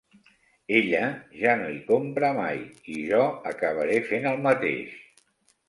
Ella ja no hi compra mai, i jo acabaré fent el mateix.